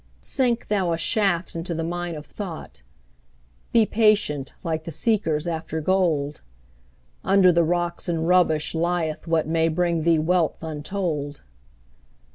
Sink thou a shaft into the mine of thought; Be patient, like the seekers after gold; Under the rocks and rubbish lieth what May bring thee wealth untold.